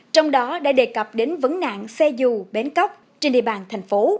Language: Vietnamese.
trong đó đã đề cập đến vấn nạn xe dù bến cóc trên địa bàn thành phố